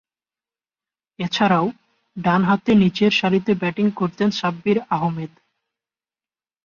এছাড়াও, ডানহাতে নিচেরসারিতে ব্যাটিং করতেন শাব্বির আহমেদ।